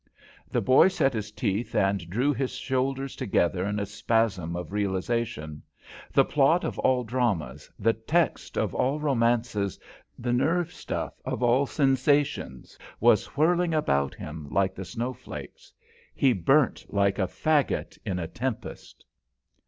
The boy set his teeth and drew his shoulders together in a spasm of realization; the plot of all dramas, the text of all romances, the nervestuff of all sensations was whirling about him like the snow flakes. He burnt like a faggot in a tempest.